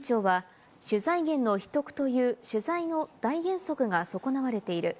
こまちや委員長は取材源の秘匿という取材の大原則が損なわれている。